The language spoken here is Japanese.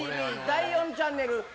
−ＴＶ第４チャンネル。